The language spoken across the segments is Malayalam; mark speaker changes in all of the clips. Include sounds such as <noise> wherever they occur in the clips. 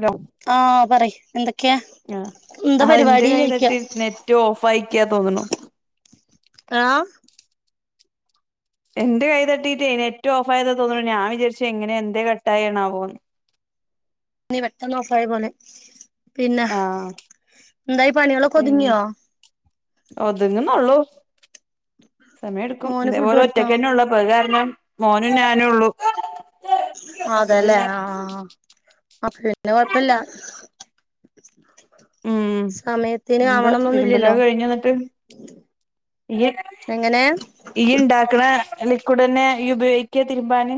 Speaker 1: ലോ
Speaker 2: ആഹ് പറയ് എന്ത
Speaker 1: ആ അ ന്റെ കൈ തട്ടി നെറ്റ് ഓഫ് ആയിക്കാ തോന്ന്ണു
Speaker 2: ആഹ്
Speaker 1: എന്റെ കൈ തട്ടിട്ടേ നെറ്റ് ഓഫായത തോന്നൂ ഞാ വിചാരിച്ചു എങ്ങനെ എന്തേ കട്ടായെണ്ണാവോന്ന്.
Speaker 2: നീ വെട്ടൊന്നൊഫായ പോലെ പിന്ന
Speaker 1: ആഹ്
Speaker 2: എന്തായി പണികളോ കൊതുങ്ങിയോ
Speaker 1: ഒത്ങ്ങന്നോള്ളൂ സമയട്ക്കും
Speaker 2: മോന് ഫുഡ്
Speaker 1: ഇതേപോലെ
Speaker 2: കൊടുത്തോ
Speaker 1: ഒറ്റക്കെന്നെ ഒള്ളൂ പ കാരണം മോനും ഞാനുംള്ളു
Speaker 2: അതല്ലേ ആഹ് അ പിന്നെ കൊഴപ്പല്ല.
Speaker 1: ഉം ന്ത്
Speaker 2: ആവണംന്നൊന്നുമില്ലല്ലോ
Speaker 1: തിരുമ്പലോകഴിഞ്ഞു ന്നട്ട് യ്യ്
Speaker 2: എങ്ങനെ
Speaker 1: യ്യ്ണ്ടാ ക്ണേ ലിക്വിഡെന്നെ യ്യ് ഉപയോക്ക തിരുമ്പാന്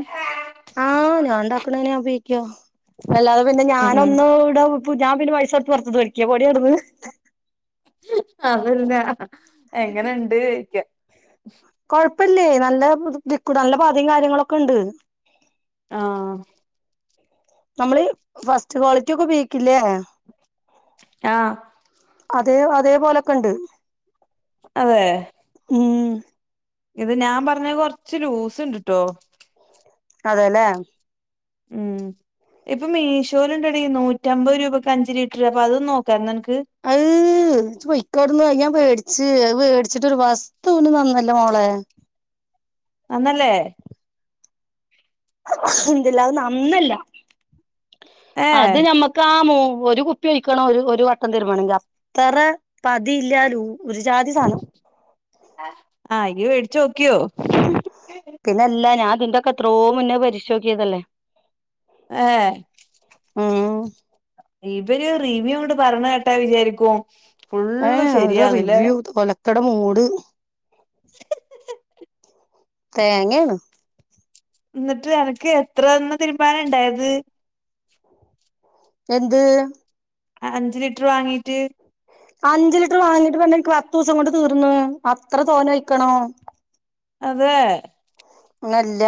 Speaker 2: ആഹ് ഞാണ്ടാക്കണന്നെ ഞാ ഉ പയോഗിക്കാ അല്ലാതെ പിന്നെ
Speaker 1: ഉം ഉം
Speaker 2: ഞാനൊന്നുടെ പു ഞാ പിന്നെപൈസൊട്ത്ത് പുറത്തന്നേടിക്കെ പോടീയവ്ടന്ന്.
Speaker 1: അതല്ല എങ്ങനുണ്ട് ക്യാ
Speaker 2: കൊഴപ്പല്ലേ നല്ല ലിക്യുഡാ നല്ല പതിം കാര്യങ്ങളൊക്കെണ്ട്.
Speaker 1: ആഹ്
Speaker 2: നമ്മള് ഫസ്റ്റ് ക്വാളിറ്റി ഒക്കെ ഉപയോഗിക്കില്ലേ
Speaker 1: ആഹ്
Speaker 2: അതെ അതേപോലെക്കെ ഉണ്ട്
Speaker 1: അതെ
Speaker 2: ഉം
Speaker 1: ഇത് ഞാൻ പറഞ്ഞ കൊറച്ച് ലൂസ് ഉണ്ട്ട്ടോ
Speaker 2: അതെല്ലേ
Speaker 1: ഉം ഇപ്പം മീശോയിലുണ്ടെടി നൂറ്റ നൂറ്റമ്പത് രൂപയ്ക്ക് അഞ്ച് ലിറ്റർ അപ്പൊ അതൊന്ന് നോക്കാം നിനക്ക്
Speaker 2: പൊയിക്കോവിന്ന് ഞാൻ പേടിച്ചച്ച് അത് വേടിച്ചിട്ട ഒരു വസ്തുന നന്നല്ലോ മോളെ
Speaker 1: നന്നല്ലേ
Speaker 2: അതു നന്നല്ല
Speaker 1: ഏ
Speaker 2: അത് മ്മക്ക് കാമോ ഒരു കുപ്പി ഒഴിക്കണം ഒരു ഒരു വട്ടം തരുമാണെങ്കിൽ അത്ര പതിയില്ലാലൂ ഒരുചാതിസണോ
Speaker 1: ആ ഇയ്യ് വേടിച്ചു നോക്കിയോ
Speaker 2: പിന്നെ അല്ല ഞൻതിന്റെൊക്കെ എത്രോ മുന്നേ പരിശോധിക്കിയതല്ലേ
Speaker 1: ആഹ
Speaker 2: ആ
Speaker 1: ഇവര് റിവ്യൂ കൊണ്ട് പറഞ്ഞ കേട്ടാ വിചാരിക്കുവ
Speaker 2: ഏ ഒരു റിവ്യൂ ഒലക്കട മൂഡ്
Speaker 1: <inaudible>
Speaker 2: തേങ്ങാണ്
Speaker 1: ന്നട്ട് അനക്ക് എത്രണ്ണം തീരുമ്പാൻ ഉണ്ടയത്
Speaker 2: എന്ത്
Speaker 1: അഞ്ച് ലിറ്റർ വാങ്ങിയിട്ട്
Speaker 2: അഞ്ചു ലിറ്റർ വാങ്ങിട്ട് പെണ്ണെ എനിക്ക് പത്ത് ദിവസം കൊണ്ട് തീർന്നു അത്ര തോന്ന ഒഴിക്കണം
Speaker 1: അതെ
Speaker 2: അല്ല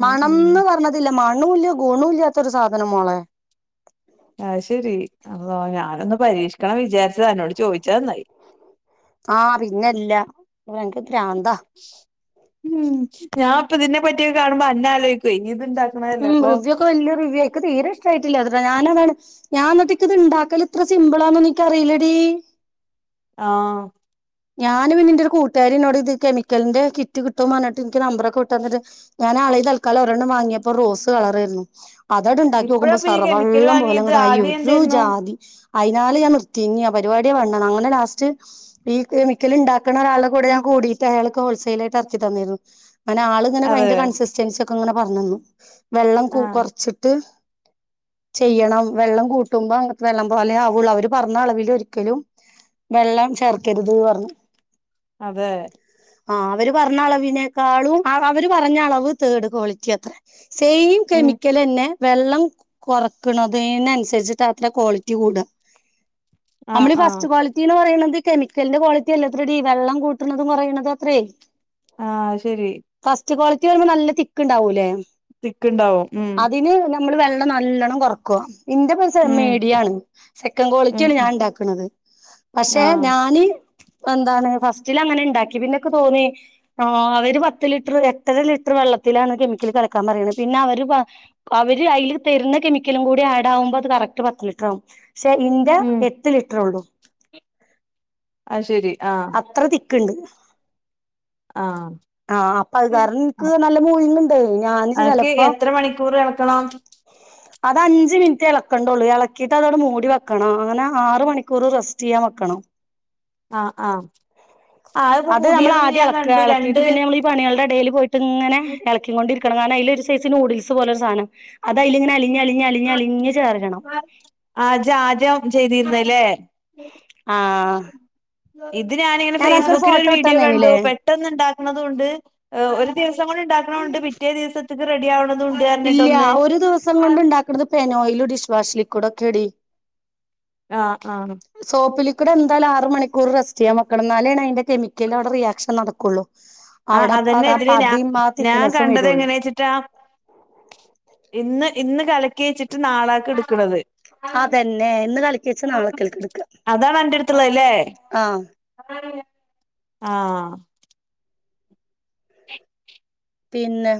Speaker 1: ഉം ഉം
Speaker 2: മണംന്ന് പറഞ്ഞ അല്ല മണല്ല്യ കുണോം ഇല്ലാത്ത ഒരു സാധനമോളെ
Speaker 1: ആഹ ശെരി അല്ലോ ഞാനൊന്ന് പരീക്ഷിക്കണം വിചാരിച്ചത അന്നോട് ചോദിച്ച നന്നായി
Speaker 2: ആഹ പിന്നെല്ല അനക്ക് ഭ്രാന്താ
Speaker 1: ഉം ഞാൻ ഇപ്പ ഇതിനെ പറ്റിയക്കെ കാണുമ്പോ അന്ന ആലോചിക്കും ഇനി ഇത്ണ്ടാക്ക
Speaker 2: ഉം റിവ്യൂ ഒക്കെ വല്യ റിവ്യൂ ഇൻക്ക് തീരെ ഇഷ്ടമായിട്ടില്ല അത്ര ഞാനതാണ് ഞാൻട്ടേക്ക് ഇത് ഇണ്ടാക്കൽ ഇത്ര സിമ്പിളാന്ന എനിക്ക അറിയില്ലടീ
Speaker 1: ആഹ
Speaker 2: ഞാനും പിന്നെന്റെ ഒരു കൂട്ടുകാരി എന്നോട് ഇത് കെമിക്കലിന്റെ കിറ്റ് കിട്ടുംന്ന് പറഞ്ഞട്ട് എനിക്ക് നമ്പറൊക്കെ വിട്ട് തന്നിട് ഞാൻ ആളെ തൽക്കാലം ഒരെണ്ണം വാങ്ങിയപ്പോ റോസ് കളർായിരുന്നു അതോടെ ഉണ്ടാക്കി നോക്കുമ്പോ
Speaker 1: ഇപ്പഴപ്പ ഈ കെമിക്കല്
Speaker 2: സറവെള്ളം പോലെ
Speaker 1: വാങ്ങിയത്
Speaker 2: ആയി
Speaker 1: ആദ്യം
Speaker 2: ഒരു
Speaker 1: എന്തായിരുന്നു
Speaker 2: ജാതി അയിനാല് ഞാൻ നിർത്തി ഇഞ് ആ പരിപാടിയ വേണ്ടന്ന് അങ്ങനെ ലാസ്റ്റ് ഈ കെമിക്കൽ ഉണ്ടാക്കുന്ന ഒരാളെ കൂടെ ഞാൻ കൂടിയിട്ട് അയാൾക്ക് ഹോൾസെയിൽായിട്ട് ഇറക്കി തന്നിരുന്നു അനെ ആൾ ഇങ്ങനെ
Speaker 1: അതെ
Speaker 2: കയിന്റെ കൺസിസ്റ്റൻസി ഒക്കെ ഇങ്ങനെ പറഞ്ഞന്നു വെള്ളം കു
Speaker 1: ആഹ്
Speaker 2: കുറച്ചിട്ട് ചെയ്യണം വെള്ളം കൂട്ടുമ്പോ വെള്ളം പോലെ ആവുള്ളൂ അവര് പറഞ്ഞ അളവിൽ ഒരിക്കലും വെള്ളം ചേർക്കരുത് പറഞ്ഞു
Speaker 1: അതെ
Speaker 2: ആ അവര് പറഞ്ഞ അളവിനേക്കാളും അവര് പറഞ്ഞ അളവ് തേർഡ് ക്വാളിറ്റി അത്ര സെയിം
Speaker 1: ഉം
Speaker 2: കെമിക്കലന്നെ വെള്ളം കൊറക്കണതിനന്നുസരിച്ചിട്ട് അത്ര ക്വാളിറ്റി കൂട
Speaker 1: ആഹ്
Speaker 2: നമ്മള്
Speaker 1: ആഹ്
Speaker 2: ഫസ്റ്റ് ക്വാളിറ്റിന്ന് പറയണുന്നത് കെമിക്കലിന്റെ ക്വാളിറ്റി അല്ല ഇത്രടി വെള്ളം കൂട്ടണതും കുറണതും അത്രയേ
Speaker 1: ആഹ ശരി
Speaker 2: ഫസ്റ്റ് ക്വാളിറ്റി വരുമ്പോ നല്ല തിക്ക് ഉണ്ടാവൂല്ലേ
Speaker 1: തിക്ക്ണ്ടാവും ഉം
Speaker 2: അതിന് നമ്മ വെള്ളം നല്ലണം കൊറക്കൊ ഇന്റെ
Speaker 1: ഉം
Speaker 2: മീഡിയാണ് സെക്കൻ്
Speaker 1: ഉം
Speaker 2: ക്വാളിറ്റിയാണ്
Speaker 1: ഉം
Speaker 2: ഞാൻ ഉണ്ടാക്കുന്നത് പക്ഷെ
Speaker 1: ആഹ്
Speaker 2: ഞ എന്താണ് ഫസ്റ്റിൽ അങ്ങനെ ഉണ്ടാക്കി പിന്നൊക്കെ തോന്നി ആ അവര് പത്ത് ലിറ്റർ എട്ടര ലിറ്റർ വെള്ളത്തിലാണ് കെമിക്കൽ കല ക്കാൻ പറയുന്നത് പിന്നെ അവര് അവര് അതില് തരുന്ന കെമിക്കലും കൂടി ആഡ് ആകുമ്പോ അത് കറക്റ്റ് പത്ത് ലിറ്റർ ആകും പക്ഷെ ഇന്റെ
Speaker 1: ഉം
Speaker 2: എട്ട് ലിറ്റർ ഉള്ളൂ
Speaker 1: അല്ലടീ ആ
Speaker 2: അത്ര തിക്ക്ണ്ട്
Speaker 1: ആഹ
Speaker 2: അപ്പൊ അത് കാരണം എനിക്ക്
Speaker 1: <unintelligible>
Speaker 2: നല്ല മൂവിങ് ഉണ്ട് ഞാന്
Speaker 1: അനക്ക്
Speaker 2: ചെലപ്പോ
Speaker 1: എത്ര മണിക്കൂർ കേൾക്കണം <inaudible>
Speaker 2: അത് അഞ്ച് മിനിറ്റ് ഇളക്കണ്ടുള്ളു ഇളക്കിട്ട് അതോടെ മൂടി വെക്കണം അങ്ങനെ ആറ മണിക്കൂർ റെസ്റ്റ് ചെയ്യാൻ വെക്കണം
Speaker 1: ആഹ് ആഹ് ആഹ് അതിപ്പോ
Speaker 2: അത് അമ്മള്
Speaker 1: പുതിയതൊന്നും ഞാൻ
Speaker 2: ആദ്യെളെക്ക
Speaker 1: കണ്ടു
Speaker 2: എളക്കീട്ട്
Speaker 1: രണ്ട്
Speaker 2: പിന്നെ നമ്മളീ പണികൾടെ എടേല് പോയിട്ട്ങ്ങനെ എളക്കിക്കൊണ്ടിരിക്കണം കാരണം അയ്ലൊര് സൈസ് നൂഡിൽസ് പോലൊരു സാനം അത് അയ്ലിങ്ങനെ അലിഞലിഞ്ഞലിഞ്ഞ് അലിഞ്ഞ് ചേർക്കണം.
Speaker 1: ആഹ് ജാദ്യം ചെയ്തിര്ന്ന്ല്ലേ
Speaker 2: ആഹ്
Speaker 1: ഇത് ഞാനിങ്ങനെ
Speaker 2: ഞാൻ അനക്കൊരു
Speaker 1: ഫേസ്ബുക്കിലൊരു
Speaker 2: ഫോട്ടോ
Speaker 1: വീഡിയോ കണ്ടു
Speaker 2: ഇട്ടന്നേന്നില്ലേ
Speaker 1: പെ ട്ടെന്നുണ്ടാക്ക്ണതുണ്ട് ഏഹ് ഒരു ദിവസം കൊണ്ട് ണ്ടാക്ക്ണൂണ്ട് പിറ്റേ ദിവസ് ത്ത്ക്ക് റെഡ്യാവ്ണതൂണ്ടാർഞ്ഞിട്ടൊന്ന് ആഹ്
Speaker 2: പേനോയില് ഡിഷ് വാഷ്ലിക്കൂഡോക്കെടി
Speaker 1: ആഹ് ആഹ്
Speaker 2: സോപ്പ് ലിക്ക്വിടെന്താലും ആറ് മണിക്കൂർ റസ്റ്റെയ്യാ വെക്കണം ഇന്നാലേണ് അയ്ന്റെ കെമി ക്കലവ്ടെ റിയാക്ഷൻ നടക്കൊള്ളു
Speaker 1: ആഹ് അതന്നെ
Speaker 2: അവടെപ്പൊക പതിം ആ തിക്നെസ്സും വെരൊള്ളു.
Speaker 1: റ്റാ ഇന്ന് ഇന്ന് കലക്കി വെച്ചിട്ട് നാളാക്ക്ട്ക്ക്ണത്.
Speaker 2: അതന്നെ ഇന്ന് കല
Speaker 1: അതാണൻ്റെട്ത്ത്ള്ളെല്ലേ
Speaker 2: ആഹ്
Speaker 1: ആഹ്
Speaker 2: പിന്നെ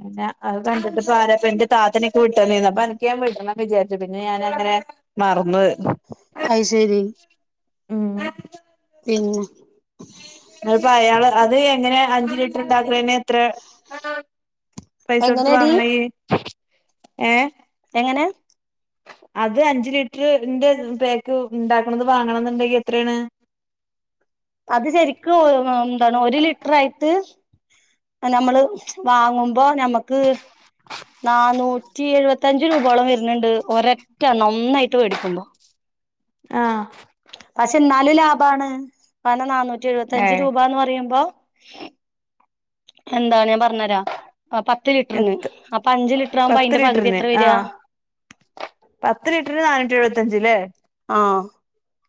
Speaker 1: പിന്നെ അത് കണ്ടപ്പോ താരപ്പെൻ്റെ താത്തനിക്ക് വിട്ടെന്നീന്നു അപ്പനക്ക് ഞാം വിൾച്ചണംന്ന് വിചാര്ചിര്ന്നു പിന്നെഞാനങ്ങനെ മർന്നു പോയി
Speaker 2: അയ് ശെരി
Speaker 1: ഉം
Speaker 2: പിന്നെ
Speaker 1: അപ്പോ അയാള് അത് എങ്ങനെ അഞ്ച് ലിറ്റർണ്ടാക്ക്ണെ നെത്രെ പൈസൊട്ത്ത്
Speaker 2: എങ്ങനെയടി
Speaker 1: വാങ്ങ്ണെയി ഏഹ്
Speaker 2: എങ്ങനെ
Speaker 1: അത് അഞ്ച് ലിറ്ററർ ന്റെ പാക്ക് ഇണ്ടാക്ക്ണത് വാങ്ങണന്ന്ണ്ടെങ്കി എത്രേണ്?
Speaker 2: അത് ശെരിക്കും എഹ് എന്താണ് ഒര് ലിറ്ററായിട്ട് നമ്മള് വാങ്ങുമ്പോ നമ്മക്ക് നാനൂറ്റി എഴുപത്തഞ്ച് രൂപോളം വെര്ന്ന്ണ്ട് ഒരെറ്റെണം ഒന്നായിട്ട് വേടിക്കുമ്പോ
Speaker 1: ആഹ്
Speaker 2: പക്ഷെ ന്നാലും ലാഭാണ് കാരണം നന്നൂറ്റി എഴുപത്തഞ്ച്
Speaker 1: ആഹ്
Speaker 2: രൂപന്ന് പറയുമ്പോ എന്താണ് ഞാം പർഞ്ഞരാ ആഹ് പത്ത് ലിറ്റർന്ന്
Speaker 1: എത്ത്
Speaker 2: അപ്പൊ അഞ്ച് ലിറ്ററാവുമ്പോ
Speaker 1: പത്ത്
Speaker 2: അയ്ന്റെ പകുതി
Speaker 1: ലിറ്ററിന്
Speaker 2: എത്ര വെരാ?
Speaker 1: ആഹ് പത്ത് ലിറ്റർ ന് നാനൂറ്റി എഴുപത്തഞ്ച്ല്ലേ
Speaker 2: ആഹ്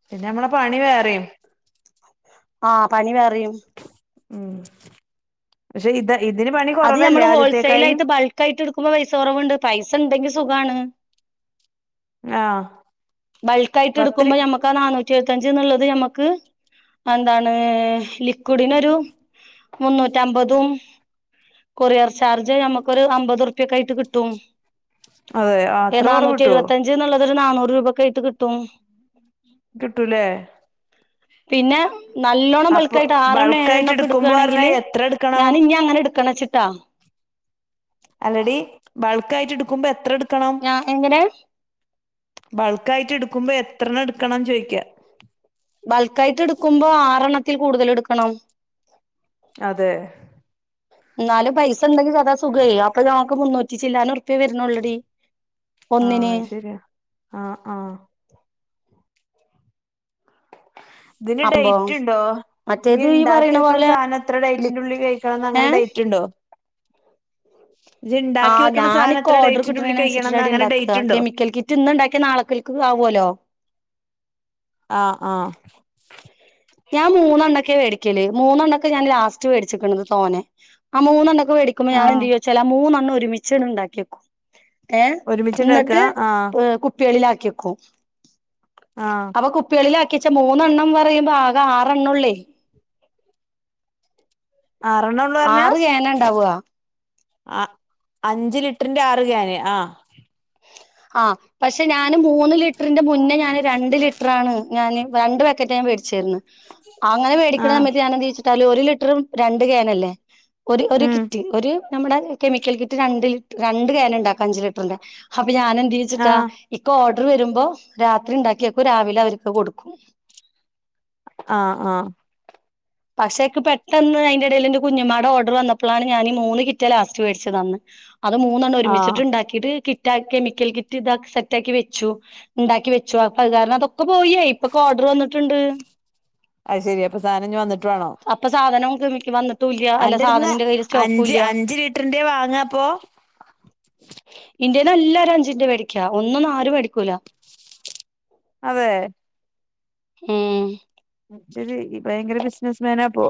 Speaker 1: പിന്നെ അമ്മള പണി വേറിം
Speaker 2: ആഹ് പണി വേറിം
Speaker 1: ഉം പക്ഷെ ഇത ഇതിന് പണി കൊറവല്ലേ ആദ്യത്തേക്കായിം
Speaker 2: ക്കായിട്ട്ട്ക്കുമ്പോ പൈസ കൊറവ്ണ്ട് പൈസണ്ടെങ്കി സുഖാണ്.
Speaker 1: ആഹ് പത്തിരി
Speaker 2: ബൾക്കായിട്ട്ട്ക്കുമ്പോ നമ ക്കാ നാന്നൂറ്റി എഴുത്തഞ്ച്ന്ന്ള്ളത് ഞമ്മക്ക് എന്താണ് ലിക്വിഡിനൊരു മുന്നൂറ്റമ്പതും കൊറിയർ ചാർജ് അമ്മക്കൊര് അമ്പതുർപ്യക്കായിട്ട് കിട്ടും
Speaker 1: അതെ
Speaker 2: എഹ്
Speaker 1: അത്ര കുറവ്
Speaker 2: നാനൂറ്റി
Speaker 1: കിട്ടുവോ
Speaker 2: എഴുപത്തഞ്ച്ന്ന്ള്ളതൊര് നാന്നൂറ് രൂപക്കായിട്ട് കിട്ടും.
Speaker 1: കിട്ടു ലേ
Speaker 2: പിന്നെ നല്ലോണ്ണം
Speaker 1: അപ്പൊ
Speaker 2: ബൾക്കായിട്ട് ആറെണ്ണം
Speaker 1: ബൾക്കായിട്ട് എടുക്കുമ്പോ പറഞ്ഞാ
Speaker 2: ഏഴെണ്ണൊക്കെട്ക്കാണെങ്കില്
Speaker 1: എത്ര എടുക്കണം
Speaker 2: ഞാന് ഇഞ് അങ്ങനെ ഇട്ക്കണച്ചിട്ടാ
Speaker 1: അല്ലടീ ബൾക്കായിട്ട് ട്ക്കുമ്പോ എത്രട്ക്കണം?
Speaker 2: ആഹ് എങ്ങനെ
Speaker 1: ബൾക്ക് ആയിട്ട് ഇടുക്കുമ്പോ എത്രണം ഇടുക്കണംന്ന് ചോയ്ക്കാ
Speaker 2: ബൾക്കായിട്ട് ഇടുക്കുമ്പോ ആറെണ്ണത്തിൽ കൂടുതൽ എടുക്കണം.
Speaker 1: അതെ
Speaker 2: ഇന്നാലും പൈസണ്ടെങ്കി അതാ സുഖേയ് അപ്പൊ ഞമക്ക് മുന്നൂറ്റി ചില്ലാന ഉറുപ്യേ വരുന്നൊള്ളടി
Speaker 1: ആഹ് അഹ് ശര്യാ ആഹ് ആഹ് ഇതിന്
Speaker 2: അപ്പൊ
Speaker 1: ഡേറ്റ് ണ്ടോ. ഈ
Speaker 2: മറ്റേത്
Speaker 1: ഇണ്ടാക്കി
Speaker 2: പറയണ
Speaker 1: വെക്ണ
Speaker 2: പോലെ
Speaker 1: സാനം ഇത്ര ഡേറ്റിന്റുള്ളിൽ കഴിക്കണംന്ന്
Speaker 2: ഏ
Speaker 1: അങ്ങനെ ഡേറ്റ് ണ്ടോ?
Speaker 2: ആഹ്
Speaker 1: വെക്കണ സാധനം
Speaker 2: ഞാനിക്ക്‌
Speaker 1: എത്ര
Speaker 2: ഓഡർ
Speaker 1: ഡേറ്റിന്റെ ഉള്ളിൽ കഴിയണംന്ന്
Speaker 2: കിട്ടുന്നതിനനുസരിച്ചിട്ടാടി
Speaker 1: അങ്ങനെ
Speaker 2: ഇണ്ടാക്കാ
Speaker 1: ഡേറ്റ് ഉണ്ടോ
Speaker 2: കെമിക്കൽ കി റ്റ് ഇന്ന്ണ്ടാക്ക്യാ നാളക്കൽക്ക് ആവോല്ലോ
Speaker 1: ആഹ് ആഹ്
Speaker 2: ഞാൻ മൂന്നെണൊക്കെ വേടിക്കല് മൂന്നെണ്ണൊക്കെ ഞാൻ ലാസ്റ്റ് വേടിച്ചിക്ക്ണത് തോനെ ആഹ് മൂന്നെണ്ണൊക്കെ വേടിക്കുമ്പോ ഞാ
Speaker 1: ആഹ്
Speaker 2: എന്തയ്യുംച്ചാലാ ആ മൂന്നെണ്ണം ഒരുമിച്ച്ണ്ട് ഇണ്ടാക്ക്യേ ഏഹ്
Speaker 1: ഒരുമിച്ചുണ്ടാക്ക
Speaker 2: ഇന്നട്ട്
Speaker 1: ആഹ്
Speaker 2: പ് കുപ്പികളിലാക്കി വെക്കും
Speaker 1: ആഹ്
Speaker 2: കുപ്പികളിൽ ആക്ക്യേച്ച മൂന്നെണ്ണം പറയുമ്പോ ആകെ ആറെണ്ണ്വൊള്ളേ
Speaker 1: ആറണ്ണം
Speaker 2: ആറ് കേനാ ഇണ്ടാവാ
Speaker 1: അഹ് അഞ്ച് ലിറ്ററിന്റെ ആറ് ക്യാന് ആഹ്
Speaker 2: ആഹ് പക്ഷെ ഞാന് മൂന്ന് ലി ലിറ്ററിന്റെ മുന്നേ ഞാന് രണ്ട് ലിറ്ററാണ് ഞാന് രണ്ട് പാക്കറ്റാ ഞാൻ വേടിച്ചിര്ന്ന് അങ്ങനെ വേടിക്കണ
Speaker 1: ആഹ്
Speaker 2: സമയത്ത് ഞാനന്ത് ചെയ്യുച്ചിട്ടാലും ഒരു ലിറ്ററും രണ്ട് ക്യാനല്ലേ ഒരു ഒരു
Speaker 1: ഉം
Speaker 2: കിറ്റ് ഒരു നമ്മുടെ കെമിക്കൽ കിറ്റ് രണ്ട് ലിറ്റ് രണ്ട് ക്യാൻ ഇണ്ടാക്കാ അഞ്ച് ലിറ്ററിന്റെ. ഹ പ്പെ ഞാൻ എന്ത് ചെയ്യുംച്ചിട്ടാ
Speaker 1: ആഹ്
Speaker 2: ഇക്ക്‌ ഓർഡർ വരുമ്പോ രാത്രി ഇണ്ടാക്കിയേക്കും രാവിലെ അവർക്ക് കൊടുക്കും.
Speaker 1: ആഹ് ആഹ്
Speaker 2: പക്ഷേ ക്ക് പെട്ടെന്ന് അയിന്റെ എടേല്ന്റെ കുഞ്ഞുമ്മാടെ ഓർഡർ വന്നപ്പളാണ് ഞാന് ഈ മൂന്ന് കിറ്റാ ലാസ്റ്റ് വേടിച്ചത് അന്ന് അത് മൂന്നെണ്ണും
Speaker 1: ആഹ്
Speaker 2: ഒരുമിച്ചിട്ട് ഇണ്ടാക്കിട്ട് കിറ്റാ കെമിക്കൽ കിറ്റ് ഇതാ സെറ്റാക്കി വെച്ചു. ഇണ്ടാക്കി വെച്ചു അപ്പ അത് കാരണം അതൊക്കെ പോയിയേ ഇപ്പൊക്കെ ഓർഡർ വന്നിട്ട്ണ്ട്.
Speaker 1: അയ് ശരി അപ്പം സാനം ഇഞ്ഞി വന്നിട്ട് വാണോ
Speaker 2: അപ്പൊ സാധനോം കെമിക്ക് വന്ന്
Speaker 1: അന്റെട്ത്ത്ന്ന് അഞ്ച് അഞ്ച് ലിറ്ററിന്റെ വാങ്ങാ അപ്പോ?
Speaker 2: ഇന്റേന്ന് എല്ലാരും അഞ്ചിന്റെ വേടിക്കാ ഒന്നൊന്നും ആരും വേടിക്കൂല്ല.
Speaker 1: അതെ
Speaker 2: ഉം
Speaker 1: ഇജ്ജൊരു ഭയങ്കര ബിസിനസ്മാനാ അപ്പൊ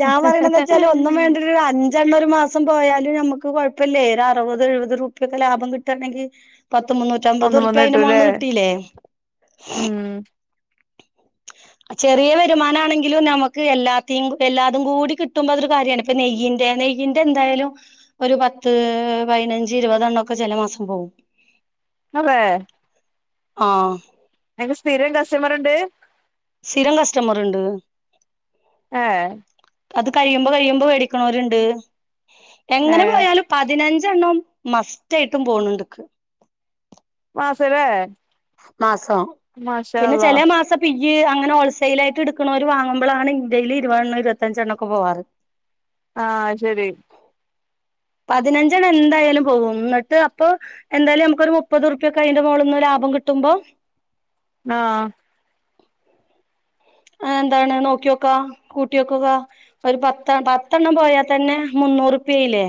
Speaker 2: ഞാൻ പറയണന്ന് വെച്ചാല് ഒന്നും വേണ്ട ഒരു അ ഞ്ചണ്ണം ഒരു മാസം പോയാലും നമുക്ക് കുഴപ്പല്ലേ ഒരു അറുപത് എഴുപത് ഉർപ്യൊക്കെ ലാഭം കിട്ടാണെങ്കി പത്ത് മുന്നൂറ്റമ്പത്
Speaker 1: ഒന്നും വന്ന്
Speaker 2: ഉർപ്യ അതിന്റെ
Speaker 1: കിട്ടൂലേ
Speaker 2: മോള്ന്ന് കിട്ടീല്ലേ.
Speaker 1: ഉം
Speaker 2: ചെറിയ വരുമാനാണെങ്കിലും നമുക്ക് എല്ലാത്തിം എല്ലാതും കൂടി കിട്ടുമ്പോ അത് ഒരു കാര്യാണെ. ഇപ്പ നെയ്യിന്റെ നെയ്യിന്റെ എന്തായാലും ഒരു പത്ത് പയിനഞ്ച് ഇരുപതെണ്ണൊക്കെ ചെല മാസം പോവും.
Speaker 1: അതെ
Speaker 2: ആഹ്.
Speaker 1: ഇങ്ങക്ക് സ്ഥിരം കസ്റ്റമറ്ണ്ട്?
Speaker 2: സ്ഥിരം കസ്റ്റമറ് ണ്ട്.
Speaker 1: ഏഹ്
Speaker 2: അത് കഴിയുമ്പോ കഴിയുമ്പോ വേടിക്ക്ണോര്ണ്ട്.
Speaker 1: ഏ
Speaker 2: എങ്ങനെ പോയാലും പതിനഞ്ചെണ്ണം മസ്റ്റ് ആയിട്ടും പോണ് ണ്ട് ക്ക്.
Speaker 1: മാസ ലേ
Speaker 2: മാസം. പിന്നെ ചെലെ മാസം പിയ് അങ്ങനെ ഹോൾസെയിൽ ആയിട്ട് എടുക്കണ ണോര് വാങ്ങുംപോഴാണ് ഇന്റെയിൽ ഇരുപത് എണ്ണം ഇരുപത്തഞ്ചെണ്ണംക്കെ പോവാറ്.
Speaker 1: ആഹ് അത് ശരി
Speaker 2: പതിനഞ്ചണ്ണം എന്തായാലും പോകും എന്നിട്ട് അപ്പൊ. എന്തായാലും നമുക്കൊരു മുപ്പത്റുപ്യൊക്ക അതിന്റെ മുകളിൽ ഒന്ന് ലാഭം കിട്ടുമ്പം
Speaker 1: ആഹ്.
Speaker 2: മ് എന്താണ് നോക്കി നോക്കാ കൂട്ടി വെക്കുക. ഒരു പത്ത് പത്തെണ്ണം പോയത്തന്നെ മുന്നൂറുപ്യായില്ലേ.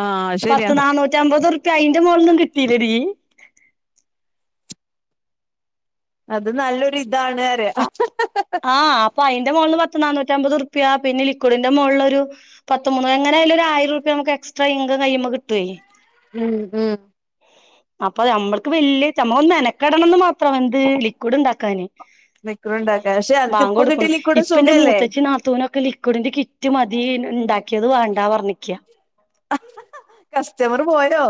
Speaker 1: ആഹ് ശരിയാ
Speaker 2: പത്ത് നന്നൂറ്റി അമ്പത് റുപ്യ അയിന്റെ മുകളിൽന്നും കിട്ടിയില്ല ടീ.
Speaker 1: അത് നല്ലൊരു ഇതാണ്. അറിയ
Speaker 2: അ ആഹ് അപ്പൊ അതിന്റെ മുകള്ന് പത്ത് നാന്നൂറ്റി അമ്പത് ഉറുപ്യ പിന്നെ ലിക്ഡിന്റെ മുകളിലൊരു. പത്ത് മൂന്ന് എങ്ങനായാലും ഒരായിരം ഉറുപ്യ നമുക്ക് എക്സ്ട്രാ ഇൻകം കഴിയുമ്പോ കിട്ടുവേ.
Speaker 1: ഉം ഉം
Speaker 2: അപ്പൊ നമ്മൾക്ക് വല്യ നമ്മളൊന്ന് മെനക്കടണംന്ന് മാത്രം എന്ത് ലിക്വിഡ് ഉണ്ടാക്കാന്.
Speaker 1: ണ്ടാക്കാന് പക്ഷെ അനക്കിപ്പ കിട്ടലി
Speaker 2: ഇപ്പന്റെ മൂത്തച്ചീ നാത്തൂനൊക്കെ ലിക്വിഡിന്റെ കിറ്റ് മതി ഉണ്ടാക്കിയത് വേണ്ടാ പർഞ്ഞിക്കാ.
Speaker 1: കസ്റ്റമർ പോയോ.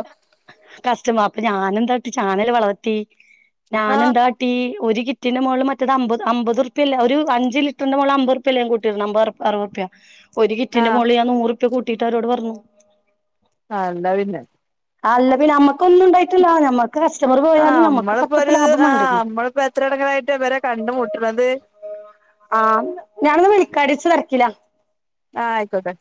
Speaker 2: കസ്റ്റമറാ അപ്പൊ ഞാനെന്താ ട്ടി ചാനൽ വളർത്തി
Speaker 1: ആഹ്
Speaker 2: ഞാനെന്താ. ട്ടി ഒരു കിറ്റിൻന്റെ മുകള് മറ്റത് അമ്പത് അമ്പത്റുപ്പ്യയല്ല ഒരു അഞ്ച് ലിറ്ററിന്റെ മുകളല് അമ്പ. കൂട്ടി ടണത് അമ്പത് അറുപതുർപ്യ. ഒരു കിറ്റിന്റെ
Speaker 1: ആഹ്
Speaker 2: മോളി ഞാൻ നൂറുപ്യ കൂട്ടിയിട്ട് അവരോട് പറഞ്ഞു
Speaker 1: ആല്ല പിന്നെ.
Speaker 2: അല്ല പിന്നെ നമ്മുക്കന്നുണ്ടായി. പിന്നല്ലാ ഞമ്മക്ക് കസ്റ്റമർ
Speaker 1: ആഹ്
Speaker 2: പോയാലും നമ്മക്ക്
Speaker 1: നമ്മളിപ്പോ
Speaker 2: പത്ത്റുപ്പി
Speaker 1: ഒരു
Speaker 2: ലാഭം
Speaker 1: ആഹ്
Speaker 2: വേണ്ടല്ലേ.
Speaker 1: നമ്മളിപ്പോ എത്ര ഇടങ്ങളായിട്ട് ഇവരെ കണ്ടുമുട്ടണത്
Speaker 2: ആഹ് ഞാനൊന്ന് വിളിക്കടി ച്ച് തിരക്കില
Speaker 1: ആഹ് ആയിക്കോട്ടെ.